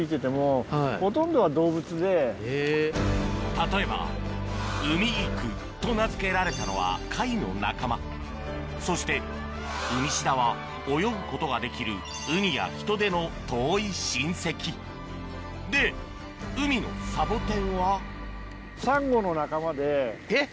例えばウミギクと名付けられたのは貝の仲間そしてウミシダは泳ぐことができるウニやヒトデの遠い親戚で海のサボテンはえっ！